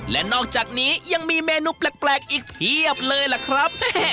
และนอกจากนี้ยังมีเมนูแปลกอีกเพียบเลยล่ะครับ